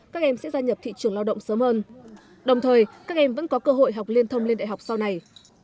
các em sẽ gia nhập thị trường lao động sớm hơn đồng thời các em vẫn có cơ hội học liên thông lên đại học sau này